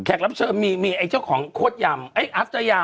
แขกรับเชิญมีไอ้เจ้าของโคตรยำไอ้อัฟเตอร์ยำ